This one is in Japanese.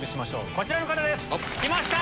こちらの方です来ました！